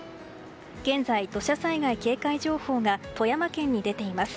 現在、土砂災害警戒情報が富山県に出ています。